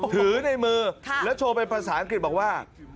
ถือในมือแล้วโชว์เป็นภาษาอังกฤษบอกว่า